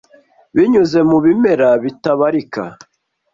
binyuze mu bimera bitabarika